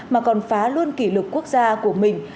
mà còn phá luôn kỷ lục quốc gia của mình